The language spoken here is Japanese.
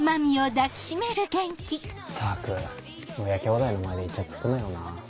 ったく親きょうだいの前でイチャつくなよな。